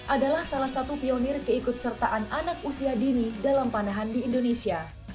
adalah salah satu pionir keikut sertaan anak usia dini dalam panahan di indonesia